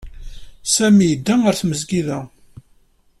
Sami yedda ɣer tmesgida.